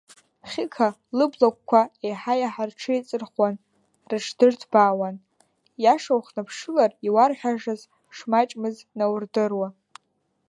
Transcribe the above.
Хьықа лыблагәқәа еиҳа-еиҳа рҽеиҵырхуан, рыҽдырҭбаауан, иаша унхыԥшылар иуарҳәашаз шмаҷмыз наурдыруа.